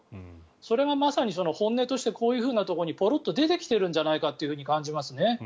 それがまさに本音としてこういうふうなところにポロっと出てきているんじゃないかと感じますね。